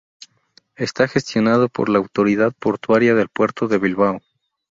Está gestionado por la autoridad portuaria del Puerto de Bilbao.